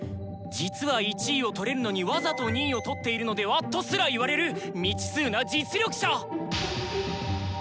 「実は１位をとれるのにわざと２位をとっているのでは？」とすら言われる未知数な実力者！